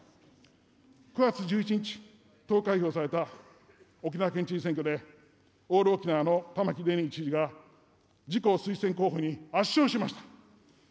９月１１日投開票された沖縄県知事選挙で、オール沖縄の玉城デニー知事が、自公推薦候補に圧勝しました。